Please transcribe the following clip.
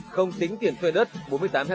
không tính tiền thuê đất bốn mươi tám ha